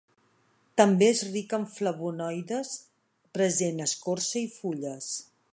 També és ric en flavonoides, present a escorça i fulles.